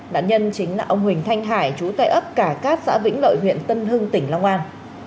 nạn nhân chính là ông huỳnh thanh hải chú tại ấp cả cát xã vĩnh lợi huyện tân hưng tỉnh long an